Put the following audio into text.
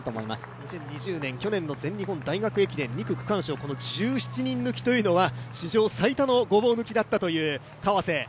２０２０年、去年の全日本大学駅伝、２区区間賞、１７人抜きというのは史上最多のごぼう抜きだったという川瀬。